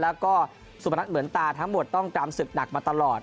แล้วก็สุพนัทเหมือนตาทั้งหมดต้องตามศึกหนักมาตลอด